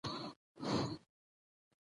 مېلې د فرهنګي روزني له پاره هم یو ښوونیز فرصت دئ.